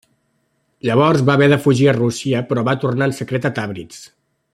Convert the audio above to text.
Llavors va haver de fugir a Rússia però va tornar en secret a Tabriz.